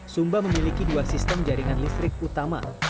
sumba memiliki dua sistem jaringan listrik utama